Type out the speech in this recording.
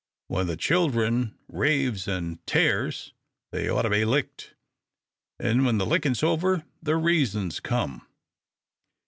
When the children raves an' tears, they ought to be licked, an' when the lickin's over, the reasons come.